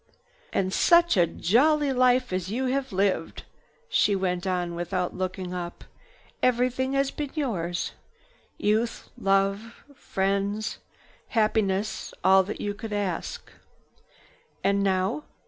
"And such a jolly life as you have lived!" She went on without looking up. "Everything has been yours—youth, love, friends, happiness—all that you could ask." "And now?"